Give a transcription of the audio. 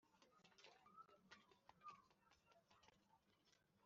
nabonye biba aribintu bitoroshye